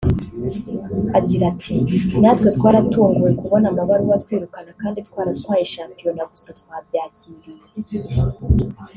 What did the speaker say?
Agira ati ”Natwe twaratunguwe kubona amabaruwa atwirukana kandi twaratwaye shampiyona gusa twabyakiriye